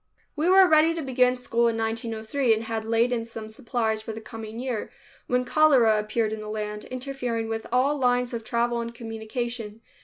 We were ready to begin school in 1903 and had laid in some supplies for the coming year, when cholera appeared in the land, interfering with all lines of travel and communication.